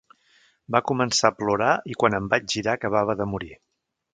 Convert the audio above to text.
Va començar a plorar i, quan em vaig girar, acabava de morir.